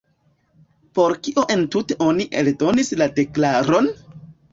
Por kio entute oni eldonis la deklaron?